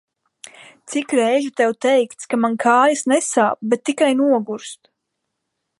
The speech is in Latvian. Cik reižu tev teikts, ka man kājas nesāp, bet tikai nogurst.